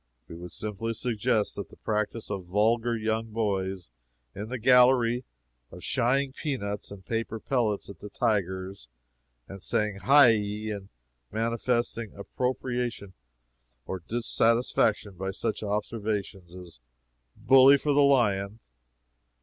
We would simply suggest that the practice of vulgar young boys in the gallery of shying peanuts and paper pellets at the tigers, and saying "Hi yi!" and manifesting approbation or dissatisfaction by such observations as "Bully for the lion!"